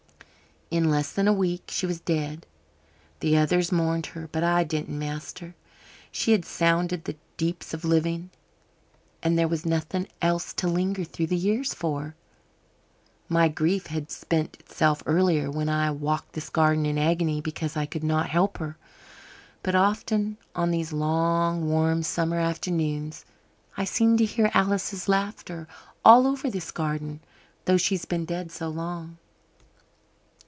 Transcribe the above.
"In less than a week she was dead. The others mourned her, but I didn't, master. She had sounded the deeps of living and there was nothing else to linger through the years for. My grief had spent itself earlier, when I walked this garden in agony because I could not help her. But often, on these long warm summer afternoons, I seem to hear Alice's laughter all over this garden; though she's been dead so long."